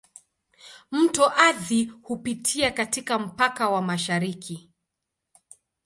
Mto Athi hupitia katika mpaka wa mashariki.